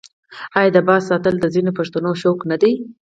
آیا د باز ساتل د ځینو پښتنو شوق نه دی؟